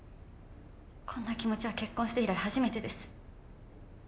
こんな気持ちは結婚して以来初めてです。